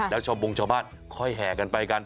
แล้วชาวบงชาวบ้านค่อยแห่กันไปกัน